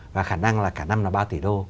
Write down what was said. và khả năng là cả năm là ba tỷ đô